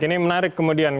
ini menarik kemudian